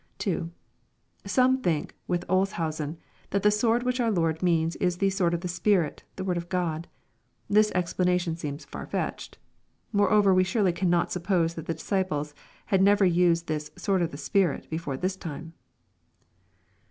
2. Some think, with Olshausen, that the sword which our Lord means is the " sword of the Spirit," the word of God. This explana tion seems far fetched. Moreover we surely cannot suppose that the disciples had never used this " sword of the Spirit" belbre this time.